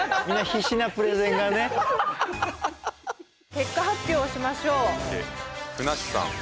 結果発表をしましょう。